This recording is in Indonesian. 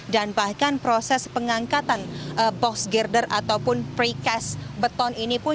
dan bahkan proses pengangkatan box girder ataupun precast beton ini pun